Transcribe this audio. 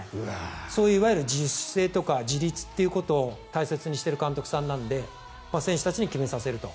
そういう自主性とか自立ってことを大切にしている監督さんなので選手たちに決めさせると。